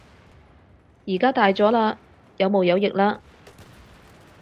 而家大咗喇，有毛有翼喇